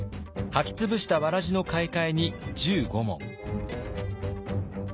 履き潰したわらじの買い替えに１５文。